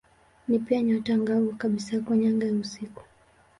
Ni pia nyota angavu kabisa kwenye anga ya usiku.